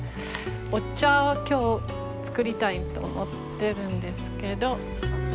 お茶を今日は作りたいと思ってるんですけど。